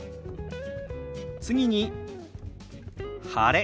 次に「晴れ」。